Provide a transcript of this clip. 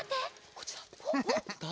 こっちだ！